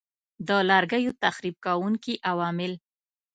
د لرګیو تخریب کوونکي عوامل